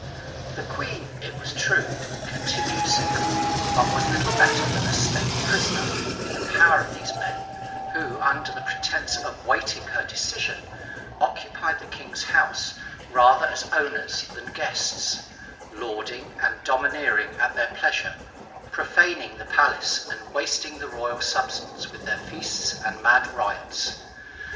The queen (it was true) continued single, but was little better than a state prisoner in the power of these men, who, under a pretence of waiting her decision, occupied the king's house rather as owners than guests, lording and domineering at their pleasure, profaning the palace and wasting the royal substance with their feasts and mad riots.